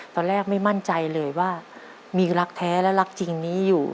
ตอนแรกไม่มั่นใจเลยว่ามีรักแท้และรักจริงนี้อยู่